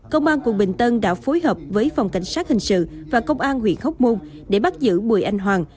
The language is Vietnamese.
công an quận bình tân đã phối hợp với phòng cảnh sát hình sự và công an huyện hốc môn để bắt giữ một mươi anh hoàng